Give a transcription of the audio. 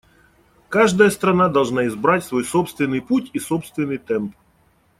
Каждая страна должна избрать свой собственный путь и собственный темп.